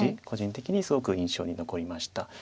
個人的にすごく印象に残りました。